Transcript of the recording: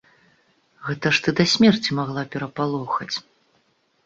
Гэта ж ты да смерці магла перапалохаць.